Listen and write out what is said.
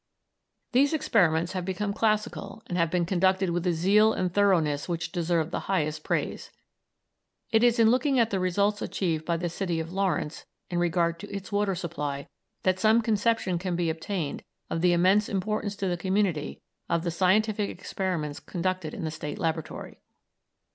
These experiments have become classical, and have been conducted with a zeal and thoroughness which deserve the highest praise. It is in looking at the results achieved by the city of Lawrence in regard to its water supply that some conception can be obtained of the immense importance to the community of the scientific experiments conducted in the State Laboratory.